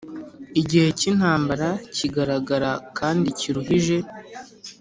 Igihe cy’ intambara kigaragara kandi kiruhije